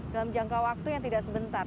dalam jangka waktunya tidak sebentar